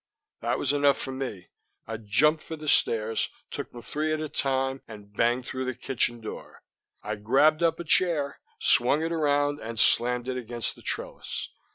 That was enough for me. I jumped for the stairs, took them three at a time, and banged through the kitchen door. I grabbed up a chair, swung it around and slammed it against the trellis.